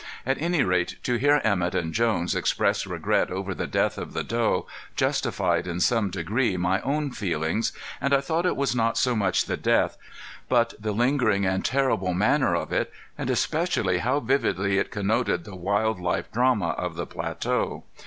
At any rate to hear Emett and Jones express regret over the death of the doe justified in some degree my own feelings, and I thought it was not so much the death, but the lingering and terrible manner of it, and especially how vividly it connoted the wild life drama of the plateau.